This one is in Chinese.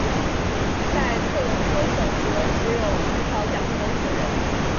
在特伦托省则只有很少讲德语的人。